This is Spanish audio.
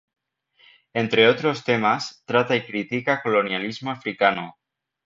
Entre otros temas trata y critica colonialismo africano.